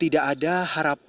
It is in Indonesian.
tidak ada harapan